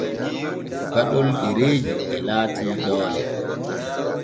Gaɗol ɗereeji e laati doole.